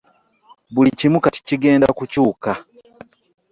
Buli kimu kati kigenda kukyuka.